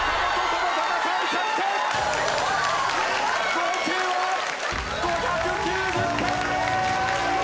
合計は５９０点！